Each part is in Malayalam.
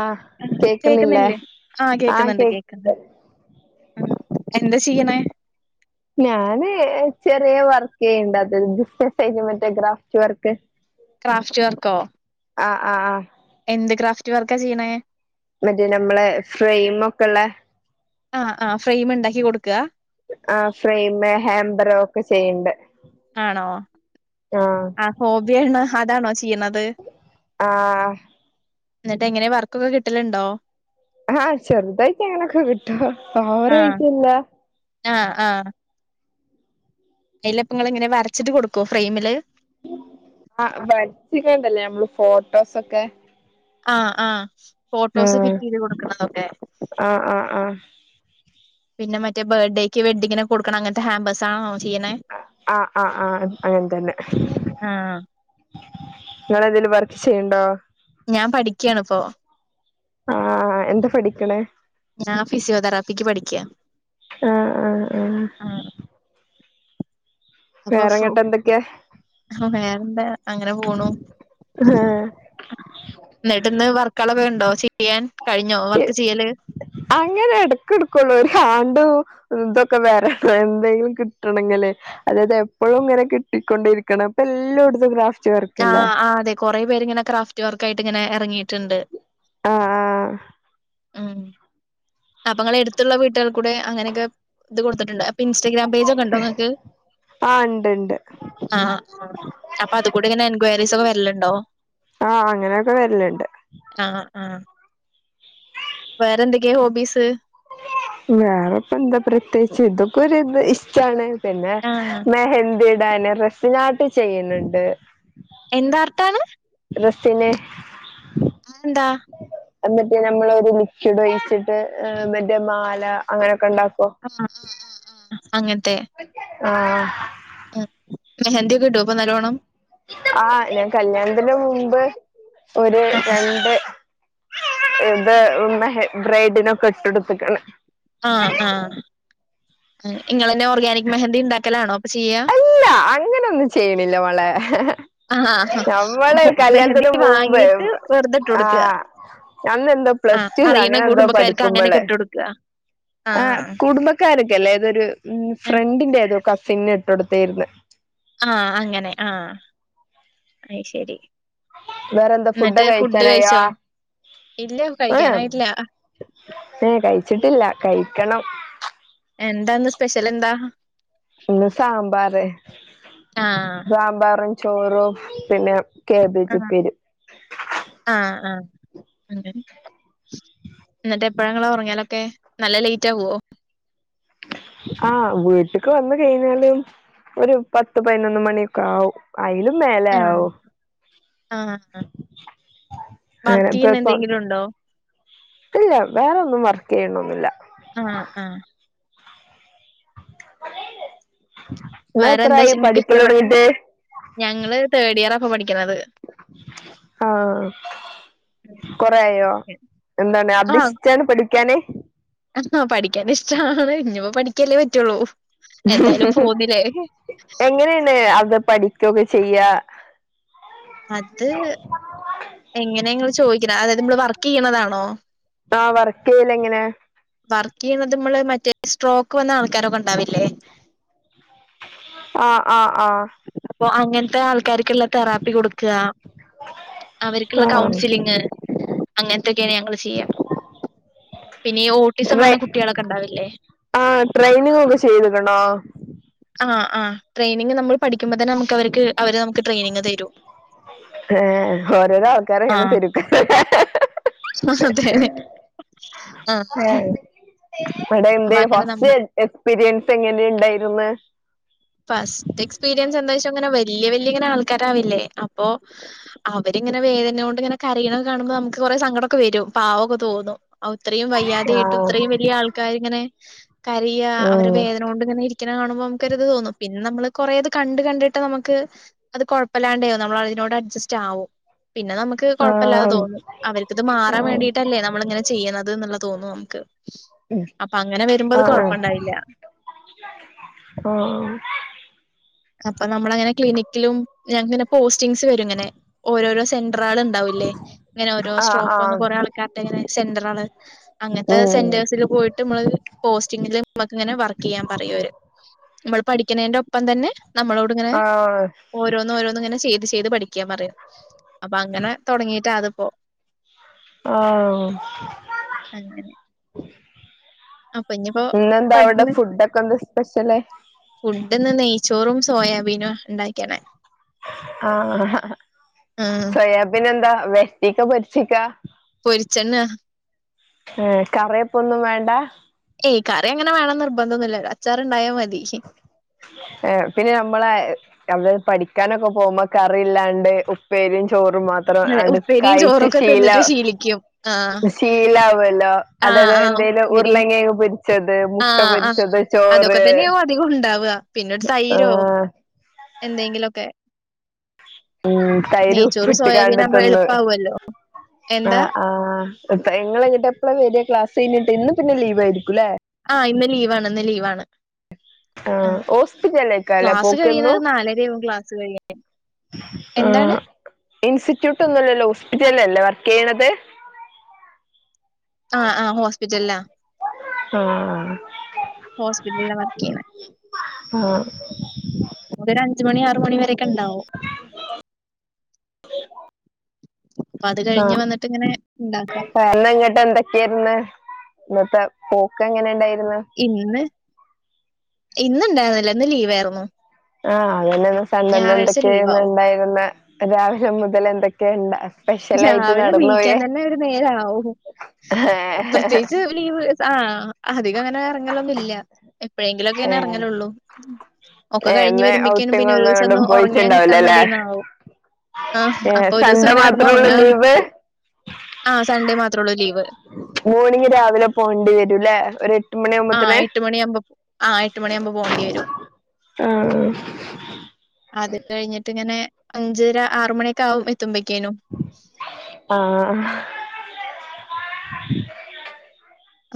ആഹ് കേക്കുന്നില്ലേ ആഹ് കേക്ക ഉം എന്താ ചെയ്യ്ണേ ഞാനേ ചെറ്യേ വർക് ക്കെ ഇണ്ടതി [unintelligible] മറ്റേ ഗ്രാഫ്സ് വർക്ക് ക്രാഫ്റ്റ് വർക്കോ അഹ് ആഹ് ആഹ് എന്ത് ക്രാഫ്റ്റ് വർക്കാ ചെയ്യണേ മറ്റേ നമ്മള് ഫ്രെയിമൊക്കെള്ള ആഹ് ആഹ് ഫ്രെയിം ഇണ്ടാക്കി കൊടുക്കുകാ ആഹ് ഫ്രെയിം ഹാംബറ് ഒക്കെ ചെയ്യണ്ട് ആണോ ആഹ് ഹോബിയാണ് അതാണോ ചെയ്യുന്നത് ആഹ് എന്നിട്ട് എങ്ങനെയ വർക്കൊക്കെ കിട്ടലുണ്ടോ ആഹ് ചെറുതായിട്ടിങ്ങനൊക്കെ കിട്ടും ആഹ് ഓവറിയിട്ടില്ല ആഹ് ആഹ് അയിലിപ്പങ്ങനെ വരച്ചിട്ട് കൊടുക്കുവോ ഫ്രെയിമില് ആഹ് [unintelligible] ച്ചിക്കണ്ടല്ലേ നമ്മള് ഫോട്ടോസൊക്കെ ആഹ് ആഹ് ഫോട്ടോസ് ആഹ് ഫിറ്റ് ചെയ്ത് കൊടുക്കണതൊക്കെ ആഹ് ആഹ് പിന്നെ മറ്റേ ബർഡേക്ക് വേണ്ടിയിങ്ങനെ കൊടുക്കണം അങ്ങനത്തെ ഹാബേസ് ആണോ ചെയ്യണേ ആഹ് ആഹ് ആഹ് അങ്ങനെ തന്നെ ആഹ് നിങ്ങളെന്തേലും വർക്ക് ചെയ്യണ്ടോ ഞാൻ പഠിക്കയാണിപ്പൊ ആഹ് എന്താ പഠിക്കണേ ഞാൻ ഫിസിയോതെറാപ്പിക്ക് പഠിക്കാ ആഹ് ആഹ് ആഹ് അപ്പൊ ഫു വേറെങ്ങട്ട് എന്തൊക്കെയാ വേറെന്താ അങ്ങനെ പോണു എന്നിട്ട് ഇന്ന് വർക്കാള്ളത്ണ്ടോ അങ്ങനെ എടെക്ക് ഇട്ക്കുള്ളൂ ഒരു ആന്റ് ഇതൊക്കെ വേറെ എന്തെങ്കിലും കിട്ടണെങ്കില്ലെ അതായത് എപ്പഴും ഇങ്ങനെ കിട്ടിക്കൊണ്ടിരിക്കണം അപ്പ എല്ലോട്ത്തും ഗ്രഫ ആഹ് ആഹ് അതെ കൊറ് കുറെ പേര് ഇങ്ങന ക്രാഫിറ്റ് വർക്കായിട്ട് ഇങ്ങെനെ എറങ്ങി റ്റ്ണ്ട് ആഹ് ഉം അപ്പ ഇങ്ങളെ എട്ത്ത്ള്ള വീട്ട്കൾ കൂടെ അങ്ങനെയൊക്കെ ഇത് കൊടുത്തിട്ട്ണ്ട് പിൻസ്റ്റഗ്രാം പേജ് ഒക്കെ ഇണ്ടോ ഇങ്ങക്ക് ആഹ് ആഹ് ഇണ്ട് ഇണ്ട് ആഹ് അപ്പൊ അത് കൂടെ ഇങ്ങനെ എൻക്വയറീസ് ഒക്കെ വര്ല്ണ്ടോ ആഹ് അങ്ങനെയൊക്കെ വരലുണ്ട് ആഹ് ആഹ് വേറെ എന്തൊക്കെയോ ഹോബീസ് വേറെപ്പ എന്താ പ്രത്യേകിച്ച് ഇതൊക്കെ ഒരുത് ഇഷ്ടാണ് പിന്നെ ആഹ് മെഹന്തി ഇതന്നെ റസ്ിനാട്ട് ചെയ്യുന്നുണ്ട് എന്താർട്ടാണ് റസിന് ആന്താ അന്നിട്ട് നമ്മളൊ ഒരു ലിക്വിഡ് ഒഴിച്ചിട്ട് മറ്റേ മാല അങ്ങനെ ആ ആ അങ്ങനത്തെ ആഹ ആ മെഹന്തി ഒക്കെ ഇടുവൊ അപ്പൊ നല്ലോണം ആഹ് ഞാൻ കല്യാണത്തിന് മുമ്പ് ഒരു ആഹ് രണ്ട് ഇത് മെ ബ്രെഡിനൊക്കെ ഇട്ടെടുത്തക്കണ ആ ആ നിങ്ങൾ തന്നെ ഓർഗാനിക് മെഹന്തി ഉണ്ടാക്കലാണോ അല്ല അങ്ങനൊന്നും ചെയ്യണില്ല മളെ ആഹ് നമ്മള് കല്യാണത്തിന് മെഹന്തി മുമ്പ് വാങ്ങീട്ട് വെറുതെ ഇട്ട് ആ കൊടുക്കുക ന്ന്െന്തോ ആഹ് പ്ലസ്റ്റു അറിയുന്ന അങ്ങനെ എന്തോ കുടുംബക്കാർക്ക് പഠിക്കുമ്പോള് അങ്ങനെയൊക്കെ ഇട്ട് കൊടുക്കുക ആ ആഹ് കുടുംബക്കാരൊക്കെ അല്ലതൊരു ഫ്രണ്ടിന്റെ ഇതൊക്കെ സി ട്ട്ട്ത്തെരുന്ന് ആ അങ്ങനെ ആ അയ്ശരി വേറെ എന്താ ഫുഡക്ക കഴിച്ചാനയോ ഇല്ല കഴിക്കാനായിട്ടില്ല ഏ കഴ- ച്ചിട്ടില്ല കഴിക്കണം എന്താന്ന് സ്പെഷ്യൽ എന്താ ന്ന് സാമ്പാർ ആഹ് സാമ്പാറ് ചോറും പിന്നെ ആ കാബേജ് ഉപ്പേരിയും ആ ആ അങ്ങെ എന്നിട്ട് എപ്പഴാങ്ങ ഉറങ്ങലൊക്കെ നല്ല ലേറ്റ് ആവോ ആ വീട്ടക്ക് വന്ന് കഴിഞ്ഞാലും ഒരു പത്ത് പതിനൊന്ന് മണിയൊക്കെ ആവും അയിലും ആഹ് മേലയാവോ ആഹ് വർക്ക് ചെയ്യുന്ന അങ്ങനെപ്പപ്പ എന്തെങ്കിലും ഉണ്ടോ ഇല്ല വേറെൊന്നും വർക്ക് ചെയ്യണൊന്നില്ല ആ ആ ഇങ്ങള് വേറെ എന്താ എത്രായി നിങ്ങക്ക് പഠിക്കല് ഇഷ്ടപ്പെട്ട തൊടങ്ങിട്ട് ഞങ്ങള് തേർഡ് ഇയർ ഇ പഠിക്കണത് ആ കൊറയയോ എന്താണ് ആഹ് അദ്ശിച്ചാണ് പഠിക്കാനേ ആ പഠിക്കാൻ ഇഷ്ടമാണ് ഇനിപ്പോ പഠിക്കാലേ പറ്റുള്ളൂ എന്തായാലും പോന്നില്ലേ. എങ്ങനെയന്ന അത പഠിക്കൊക്കെ ചെയ്യ അത് എങ്ങനെങ്ങൾ ചോ യിക്കണ അതായത് മ്മള് വർക്ക് ചെയ്യണതാണോ ആഹ് വർക്ക് ചെയ്യലെങ്ങനെ വർക്കെയ്യണ്ത് മ്മള് മറ്റേ സ്ട്രോക്ക് വന്ന ആൾക്കാരൊക്കെ ഒണ്ടാവില്ലേ ആ ആ അപ്പൊ അങ്ങൻത്തെ ആൾക്കാരിക്കുള്ള തെറാപ്പി കൊടുക്കുക അവരിക്കുള്ള ആഹ് കൗൺസിലിങ് അങ്ങൻത്തെ ക്കെയാണ് ഞങ്ങള് ചെയ്യാ. പിന്നെ ഈ ഓട്ടിസം ട്രെ വന്ന കുട്ടികളോക്കെ ഒണ്ടാവില്ലേ ആഹ് ട്രെയിനിങ് ഒക്കെ ചെയ്ത്ക്കണോ ആ ആ ട്രെയിനിങ്ങ് നമ്മൾ പഠിക്ക്മ്പ തന്നെ നമുക്ക് അവര്ക്ക് ഏ ഏ ഒരോരോ ആവ ക്കാരെ അങ്ങനെ ആഹ് തരും അതെ ആ അവിടെ അപ്പൊ എന്തെയും അങ്ങനെ ഫസ്റ്റ് നമ്മള് എക്സ്പീരിയൻസ് എങ്ങനെ ഇണ്ടായിര്ന്ന് ഫസ്റ്റ് എക്സ്പീരിയൻസ് എന്താ ശ അങ്ങനെ വ വെല്യ വെല്യ ഇങ്ങനെ ആൾക്കാരാവില്ലേ അപ്പൊ അവരിങ്ങനെ വേദന കൊണ്ട് ഇങ്ങനെ കരയണെ കാണുമ്പോ നമുക്ക് കൊറെ സങ്കടോക്കെ വെരും പാവോക്ക തോന്നും അവുത്രയും വയ്യാതെ കേട്ട് ആഹ് ഇത്രയും വല്യ ആൾക്കാരിങ്ങനെ അറിയാ അവരെ ഉം വേദന കൊണ്ട് ഇങ്ങനെ ഇരിക്കണകാണുമ്പ നമുക്കൊരിത് തോന്നും. പിന്ന നമ്മള് കൊറേ ഇത് കണ്ട് കണ്ടിട്ട് നമുക്ക് അത് കൊഴപ്പല്ലാണ്ട് നമ്മൾ അതിനോട് അഡ്ജസ്റ്റ് ആവും. പിന്ന നമ്മക്ക് കൊഴപ്പല്ലാതെ ആഹ് തോന്നും അവരിക്കത് മാറാൻ വേണ്ടിട്ടല്ലേ നമ്മളിങ്ങനെ ചെയ്യുന്നത് എന്നുള്ളത് തോന്നും അമുക്ക് അപ്പ അങ്ങനെ വരുമ്പോ അത് ആഹ് ആഹ് കൊഴപ്പൊണ്ടാവില്ല്യാ ആഹ് അപ്പ നമ്മളങ്ങനെ ക്ലിനി ക്കിലും എങ്ങന പോസ് ചിങ്സ് വരും ഇങ്ങനെ ഓരോരോ സ് അത്രാളിണ്ടാവുല്ലേ ഇങ്ങനെ ഓരോ സ്ട്രോക്ക് വന്ന് ആഹ് കൊറെ അൾക്കാരി ടിങ്ങനെ സെന്ററാണ് അങ്ങൻത്തെ ഉം സെൻന്റേഴ്സില് പോയിട്ട് അമ്മള് പോസ്റ്റിങ്ങില് മക്കങ്ങനെ വർക്കെയ്യാൻ പറയോര് നമ്മള് പഠിക്കണേന്റ ഒപ്പം തന്നെ നമ്മളോട് ഇങ്ങനെ ആഹ് ഓരോന്നു ഓരോന്നു ഇങ്ങനെ ചെയ്ത് ചെയ് ഇത് പഠിക്കാൻ പറയും അപ്പ അങ്ങനെ തെടങ്ങിട്ട് അതിപ്പോ ആ [inaudible] അങ്ങനെ അപ്പൊ ഇനിയിപ്പോ ഇന്നെന്താ അവിടെ പഠന ഫുഡൊക്കെ എന്താ സ്പെഷ്യല് ചോറും സോയാബീനും ഉണ്ടാക്കിണേ ആ ഹഹ അഹ ഉം സോയാബീൻ എന്താ വെട്ടിക്ക് പൊരിച്ചിക്ക വെളിച്ചെണ്ണ ഉം കറിയപ്പംഒന്നും വേണ്ട ഏയ് കറി അങ്ങനെ വേണെം എന്ന് നിർബന്ധമൊന്നുല്ലല്ലോ ഏ പിന്നെ നമ്മളെ അവിടെ പഠിക്കാനൊക്കെ പോകുമ്പോ കറി ഇല്ലാണ്ട് ഉപ്പേരിം ചോറ് മാത്രം അതെ. ആട്ട് ഉപ്പേരിയും കഴിച്ച് ചോറൊക്കെ തിന്നിട്ട് ശീലിക്കും. ആഹ്. ശീലാവുമല്ലേ. ആഹ്, അതായത് ആഹ്. എന്തേലും ഉപ്പേരിയും ഉരുളൻകിഴങ്ങ് പൊരിച്ചത് മുട്ട പൊരിച്ചത് ചോ ഒക്കെ തന്നെയാവും അധികം ഉണ്ടാവുക പിന്നെരു തൈരോ ആഹ് എന്തെങ്കിലും ഒക്കെ ഉം തൈര് ഉപ്പിട്ട്ക്കാണ്ട് എളുപ്പാവല്ലോ എന്താ ആ ഇങ്ങൾ എങട്ട് എപ്പഴാ വരിക ക്ലാസ്സ്‌ കഴിഞ്ഞിട്ട് ഇന്ന് പിന്നെ ലീവാ യിരിക്കും ആ ഇന്ന് ലീവ് ലീവാണ് ഇന്ന് ലീവാണ് ആ ആഹ്. ഹോസ്പിറ്റലേക്കാല്ലേ പോക്കെന്നും [unintelligible] സെട ആ ഇൻസ്റ്റിറ്റ്യൂട്ട് ഒന്നുല്ലല്ലോ ഹോസ്പിറ്റലല്ലേ അല്ലേ വർക്ക് ചെയ്യണത് ആ ആ ഹോസ്പിറ്റലിലാ [unintelligible] ആ ഹോസ്പിറ്റലിലഃവർക്ക്ചെയ്യണേ ആഹ് [unintelligible] എ മണി വരക്കെണ്ടാവോ ആ ഇങ്ങനെ ഉണ്ടാക്കാ. [unintelligible] ഇങ്ങട്ട് എന്തൊക്കെ ആയിരുന്നു ഇന്നത്തെ പോക്ക് എങ്ങനെ ഉണ്ടായി ഇന്ന് ഇന്നുണ്ടായിരുന്നില്ല ഇന്ന് ലീവായിരുന്നു ആ അങ്ങനെ സൺ‌ഡേ ഇന്ന് ഞായറാഴ്ച ലീവാവും. എന്തൊക്കെണ്ടായിരുന്നത് രാവിലെ മുതൽ എന്തൊക്കെ വേണ്ട രാവിലെ നീക്കാൻ തന്നെ ഒരു നേരാ വും ഏഹ് പ്രത്യേകിച്ച് ലീവ് ആ അധികം അങ്ങനെ ഇറങ്ങലൊന്നുംല്ല എപ്പോഴെങ്കിലുഒക്കെ ഇങ്ങനെ ഇറങ്ങലുള്ളൂ ഒക്കെ ഏഹ് കഴിഞ് ഇന്ന് വരുമ്പോഴക്കും ഔട്ടിങ് പിന്നെ ഒരു ഒന്നും ദിവസം ഒന്ന് എങ്ങട്ടും ഉറങ്ങിയാൻ കിട്ടാൻ പോയിട്ടുണ്ടാവില്ലല്ലേ മതിയെന്നാവും ആ ഏഹ് അപ്പൊ ഒരു ദിവസം സൺഡേ അങ്ങനെ മാത്രേ ഉള്ളൂ ലീവ് [unintelligible] ആ സൺ‌ഡേ മാത്രോള്ളു ലീവ് മോർണിംഗ് രാവിലെ പോവേണ്ടി വരൂല്ലെ ഒരു എട്ട് മണിയാ ആഹ് കുമ്പോത്തിന് എട്ട് മണിയാകുമ്പോ ആഹ് എട്ട് മണിയാകുമ്പോ പോകേണ്ടി വരും ആ ആ അത് കഴിഞ്ഞിട്ട് ഇങ്ങനെ അഞ്ചര ആറ മണിയക്കെ ആകും എത്തുമ്പഴക്കേന് ആഹ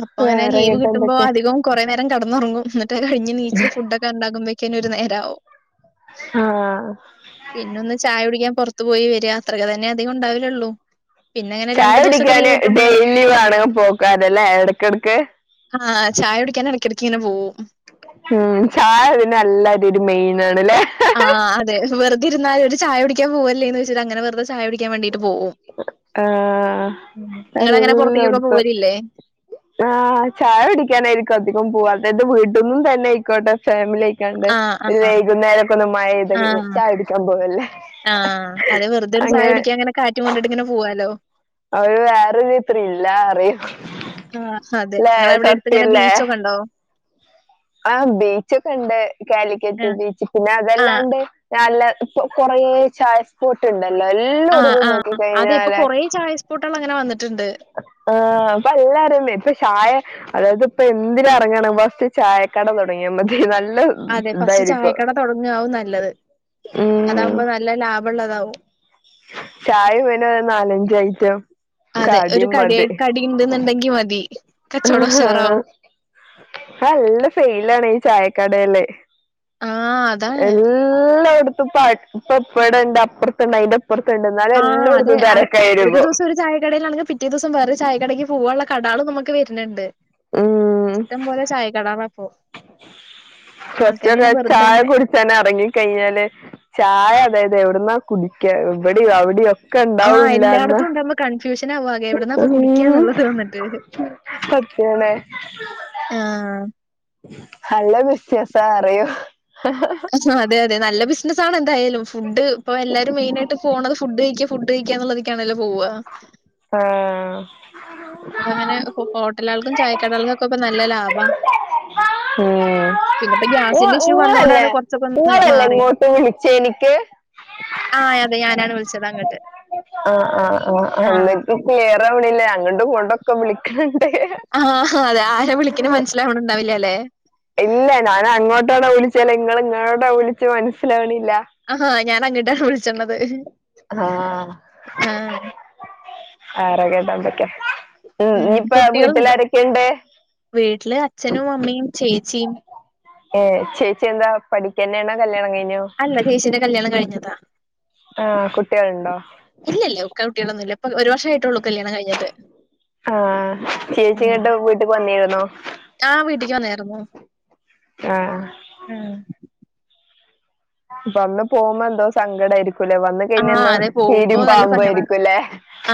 അപ്പൊ അങ്ങനെ വേറെ ലീവ് ഇങ്ങട്ട് കിട്ടുമ്പോ എന്തൊക്കെ അധികം കുറേ നേരം കിടന്നുറങ്ങും എന്നിട്ട് അത്കഴിഞ്ഞ് നീച്ചഫുഡ് ഒക്കെ ഉണ്ടാകുമ്പഴക്കന്ന ഒരു നേരവും ആഹ് പിന്ന ഒന്ന് ചായ കുടിക്കാൻ പുറത്തു പോയി വരി അത്രക്കെ തന്നെ അധികം ഉണ്ടാവില്ലുള്ളൂ ചായ കുടിക്കാന് ഡെയിലി വേണെങ്ക പോക്കാതല്ലേ എടക്കിടക്ക് ആഹ ചായ കുടിക്കാൻ ഇടക്കിടക്ക് ഇങ്ങനെ പോകും ഉം ചായ അതിന് എല്ലാരും ഒരു മെയിന ആണ്ല്ലേ ആഹ അതെ വെറുതെ ഒരു ചായ കുടിക്കാ പോവല്ലേ എന്ന് ചെച്ചിട്ട്ങ്ങനെ വെറുതെ ചായടിക്കാൻേണ്ടിട്ട് ആഹ ഉം. നിങ്ങളങ്ങനെ പുറത്തേക്കൊക്കെ എല്ലടുത്തും പോവലില്ലേ? ആഹ ചായ കുടിക്കാനായിരിക്കും അധികം പോവാത്ത വീട്ടൊന്നും തന്നെ ആക്കോട്ടെ ഫാമിലി ണ്ട് ആ, ആ, വൈകുന്നേരമ ഒക്ക ഒന്ന് മഴത്ത് ഇനിചായ ചടാൻ പോവല്ലേ ആഹ അതെ വെറുതെരു ചായ കുടിക്കാ അങ്ങനെ കാ റ്റ കൊണ്ടട്ട് ഇങ്ങനെപോവാലോ അവര് വേറെൊ ച ഇത്ര ഇല്ല അറിയും ആ അതെ. അല്ലെ നിങ്ങളവിടെ സത്യ [inaudible] അടുത്തിങ്ങനെ ല്ലേ ബീച്ചൊക്കെ ഉണ്ടോ? ആ് ബീച്ച്ക്കെ ഉണ്ട് കാലിക്കറ്റ് ആ. ബീച്ച് പിന്നെ ആ, അതെല്ലാണ്ട് നല്ല ഇപ്പൊ കൊറേ ചായസ്പോട്ട ഉണ്ട് എല്ല എല്ലാം ആ, ഉടു ആ. നോക്കി അതെ ഇപ്പൊ കഴിഞ്ഞാലേ കുറേ ചായ സ്പോട്ടുകൾ അങ്ങനെ വന്നിട്ടുണ്ട്. ആഹ അപ്പ എല്ലാരേ ഇപ്പൊ ചായ അതായത് ഇപ്പൊ എന്തിനും ഇറങ്ങണ്ഫസ്റ്റ് ചായക്കട തുടങ്ങിയ മതി അതെ ഫസ്റ്റ് ഇതായിരിക്കും ചായക്കട തുടങ്ങവും നല്ലത് ഉം അതാവുമ്പോ നല്ല ലാ ഭള്ളതാ് ചായ പിനെ നാലഞ്ച ഐറ്റം അതെ ഒരു കടിയും കടി മതി കടി ഉണ്ടെന്നുണ്ടെങ്കി മതി. കച്ചവടം ഉഷാറാവും. അഹാനല്ല ഫെൽ ആണ് ച കടയിലേ ആ അതാണ്. എല്ലാം എടു ത്തുംഇപ്പൊ ഇപ്പടെണ്ട് അപ്പുറത്തുണ്ട് അതിന്റെ അപ്പുറത്തുണ്ട് എന്നാലും ആഹ് അതെ എല്ലായിടത്തും ഒരു തിരക്കായിരിക്കും ദിവസം ഒരു ചായക്കടയിലാണെങ്കിൽ പിറ്റേ ദിവസം വേറെ ചായക്കടക്ക് പോവാനുള്ള കടാൾ നമുക്ക് വരന്നുണ്ട് ഉം കുറച്ചൊക്കെ ആൾക്കാരിങ്ങനെ ചായ വെറുതെങ്ങനെ കുടിച്ച തന്നെ ഇറങ്ങിക്കഴിഞ്ഞാല് ചായ അതായത് എവിടുന്നാ കുടിക്ക എവിടെ അവിടെ ക്കണ്ടാവില്ലന്ന് ഫ്യൂഷനാവും ആകെ എവിടന്നപ്പൊ കുടിക്കാന്നുള്ളത് വന്നിട്ട് സത്യാണ് ആ വ്യത്യാസാ അറിയോ അതെ അതെ നല്ല ബിസിനസ്സ് ആണ് എന്തായാലും ഫുഡ് ഇപ്പൊ എല്ലാരും മെയിൻ ആയിട്ട് പോണത് ഫുഡ് കഴിക്ക ഫുഡ് കഴിക്കുക എന്നുള്ളതീക്കാണല്ലോ പോവുക ആ അപ്പൊ അങ്ങനെ ഹോട്ടലൾക്കും ചായക്കടകൾക്കും ഒക്കെ ഇപ്പ നല്ല ലാഭാ പിന്നെപ്പോ ഇങ്ങ ഗ്യാസിന്റെ ഇഷ്യൂ ഇങ്ങളല്ലേ വന്നോണ്ടാണ് കൊറച്ചൊക്കെ ഒന്ന് ഇങ്ങളല്ലേ മാറിയത് ഇങ്ങോട്ട് വിളിച്ചേ എനിക്ക് ആ അതെ ഞാനാണ് വിളിച്ചത് അങ്ങട്ട് ആ ആ ആ ആഹ് എന്തൊക്കെ ക്ലിയർ ആവണില്ല അങ്ങട്ടും ഇങ്ങട്ടൊക്കെ വിളിക്കൻ ആ അതെ ആരെ വിളിക്ക്ണ മനസ്സിലാവണണ്ടാവില്ല അല്ലെ ഇല്ല ഞാൻ അങ്ങോട്ടോണോ വിളിച്ചത് നിങ്ങൾ ഇങ്ങോടെ വിളിച്ചത് മനസ്സിലാവണി ആഹാ ഞാനങ്ങ വിളിച്ചണത് ആഹ് ആ ആറകെ ഡമ്പക്ക ഉം കുട്ടികൾണ്ട് വീട്ടില് അച്ഛനും അമ്മയും ചേച്ചിയും ഏ ചേച്ചി എന്താ പഠി അല്ല ചേച്ചീന്റെ കല്യാണം കഴിഞ്ഞതാ ആ കുട്ടികളുണ്ടോ ഇപ്പം ഒരു വർഷമായിട്ടുള്ളു ആ ഉം. ചേച്ചിടെ വീട്ടിക്ക് വന്നിരുന്നൊ ആഹ് വീട്ടിക്ക് വന്നായിരുന്നു. ആ ഉം. ഇപ്പൊ അന്ന് പോകുമ്പോ എന്തോ സങ്കടായിരി ല വന്ന് കഴിഞ്ഞ ആഹ് അതെ പോകുമ്പോ കീരിം നല്ല പാമ്പും സങ്കടാ. ആയിരിക്കുംല്ലേ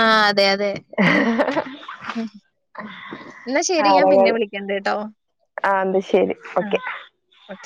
ആഹ് അതെ അതെ. ഉം. എന്നാ ശരി ഞാൻ ആളുകൾ പിന്നെ വിളിക്കണ്ട് ട്ടോ. ആ അത് ശരി ആഹ് ഓക്കെ ഓക്കെ.